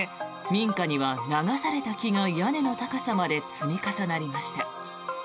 民家には流された木が屋根の高さまで積み重なりました。